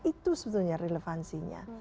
itu sebetulnya relevansinya